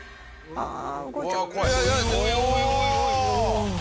ああ！